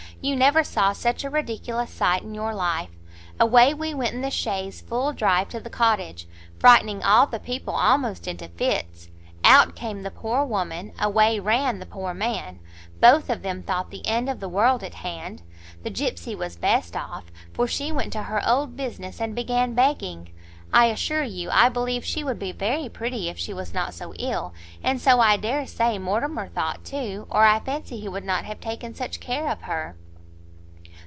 you never saw such a ridiculous sight in your life; away we went in the chaise full drive to the cottage, frightening all the people almost into fits; out came the poor woman, away ran the poor man, both of them thought the end of the world at hand! The gipsey was best off, for she went to her old business, and began begging. I assure you, I believe she would be very pretty if she was not so ill, and so I dare say Mortimer thought too, or I fancy he would not have taken such care of her."